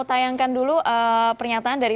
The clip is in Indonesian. tayangkan dulu pernyataan dari